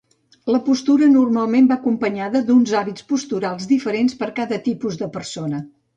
La postura normalment va acompanyada d'uns hàbits posturals diferents per a cada tipus de persona.